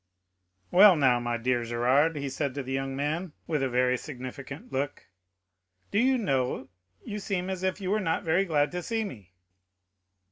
"Well, now, my dear Gérard," said he to the young man, with a very significant look, "do you know, you seem as if you were not very glad to see me?"